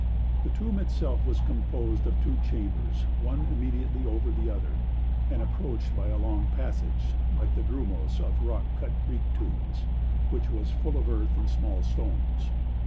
The tomb itself was composed of two chambers, one immediately over the other, and approached by a long passage, like the dromos of rock cut Greek tombs, which was full of earth and small stones.